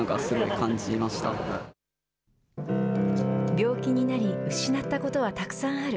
病気になり失ったことはたくさんある。